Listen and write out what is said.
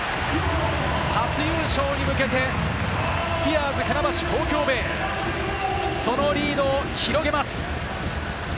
初優勝に向けてスピアーズ船橋・東京ベイ、そのリードを広げます。